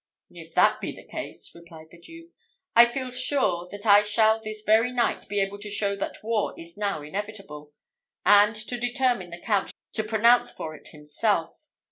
"If that be the case," replied the Duke, "I feel sure that I shall this very night be able to show that war is now inevitable; and to determine the Count to pronounce for it himself.